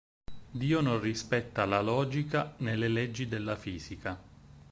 Dio non rispetta la logica né le leggi della fisica.